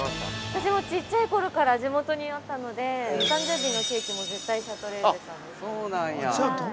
◆私も小っちゃいころから地元にあったのでお誕生日のケーキも絶対シャトレーゼさんでした。